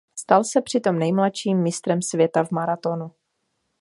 Stal se přitom nejmladším mistrem světa v maratonu.